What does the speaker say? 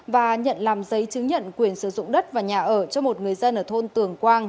và nhận làm giấy chứng nhận quyền sử dụng đất và nhà ở cho một người dân ở thôn tường quang